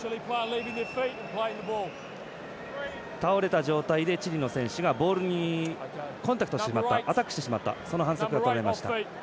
倒れた状態で、チリの選手がボールにコンタクトしてしまったアタックしてしまったその反則がとられました。